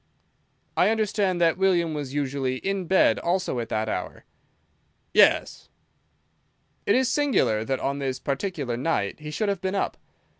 "I understand that William was usually in bed also at that hour." "Yes." "It is singular that on this particular night he should have been up.